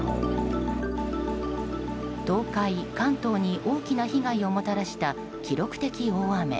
東海、関東に大きな被害をもたらした記録的大雨。